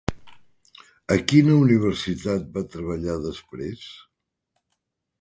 A quina universitat va treballar després?